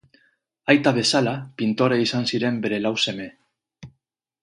Aita bezala, pintore izan ziren bere lau seme.